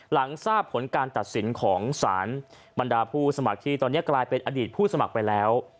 หลังทราบผลการตัดสินของสารบรรดาผู้สมัครที่ตอนนี้กลายเป็นอดีตผู้สมัครไปแล้ว